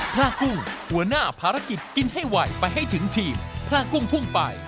พระกุ้งหัวหน้าภารกิจกินให้ไวไปให้ถึงทีมพลากุ้งพุ่งไป